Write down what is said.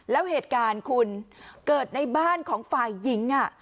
แล้วเหตุการณ์คุณเกิดในบ้านของฝ่ายหญิง